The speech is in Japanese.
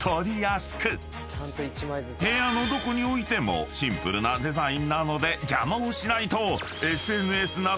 ［部屋のどこに置いてもシンプルなデザインなので邪魔をしないと］